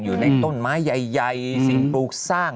อยู่ในต้นไม้ใหญ่สิ่งปลูกสร้าง